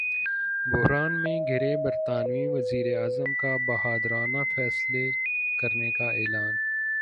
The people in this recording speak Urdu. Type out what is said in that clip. بحران میں گِھرے برطانوی وزیراعظم کا ’بہادرانہ فیصلے‘ کرنے کا اعلان